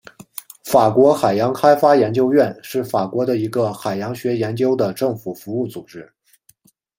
法国海洋开发研究院是法国的一个海洋学研究的政府服务组织。